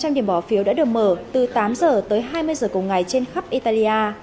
hơn năm năm trăm linh điểm bỏ phiếu đã được mở từ tám giờ tới hai mươi giờ cùng ngày trên khắp italia